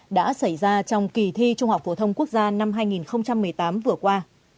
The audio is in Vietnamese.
đã xảy ra trong kỳ thi trung học phổ thông quốc gia năm hai nghìn một mươi tám vừa qua